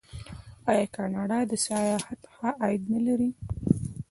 آیا کاناډا د سیاحت ښه عاید نلري؟